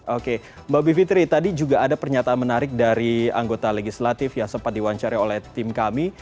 oke mbak bivitri tadi juga ada pernyataan menarik dari anggota legislatif yang sempat diwawancari oleh tim kami